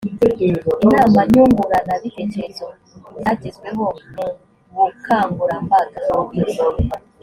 inama nyuguranabitekerezo ku byagezweho mu bukangurambaga